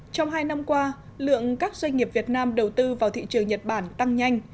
trong hai năm qua lượng các doanh nghiệp việt nam đầu tư vào thị trường nhật bản tăng nhanh